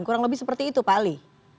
kurang lebih seperti itu pak ali